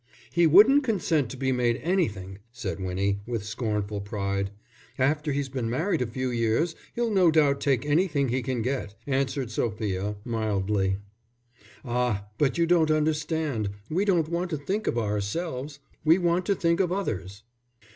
"He wouldn't consent to be made anything," said Winnie, with scornful pride. "After he's been married a few years he'll no doubt take anything he can get," answered Lady Sophia, mildly. "Ah, but you don't understand, we don't want to think of ourselves, we want to think of others."